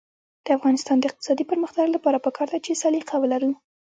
د افغانستان د اقتصادي پرمختګ لپاره پکار ده چې سلیقه ولرو.